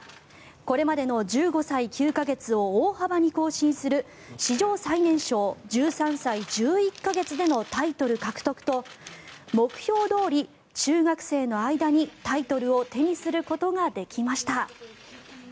これまでの１５歳９か月を大幅に更新する史上最年少１３歳１１か月でのタイトル獲得と目標どおり中学生の間にタイトルを手にすることができました。